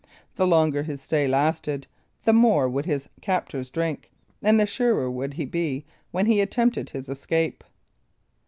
The longer his stay lasted, the more would his captors drink, and the surer should he be when he attempted his escape.